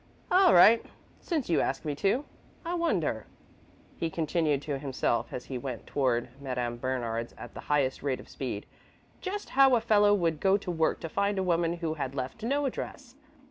"All right, since you ask me to. I wonder," he continued to himself, as he went toward Madame Bernard's at the highest rate of speed, "just how a fellow would go to work to find a woman who had left no address?